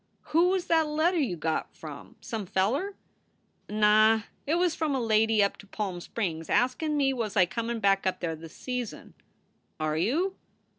"Who was that letter you got, from? some feller ?" "Nah! It was from a lady up to Palm Springs, askin me was I comin back up there this season?" "Are you?"